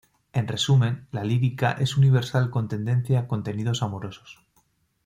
En resumen, la lírica es universal con tendencia a contenidos amorosos.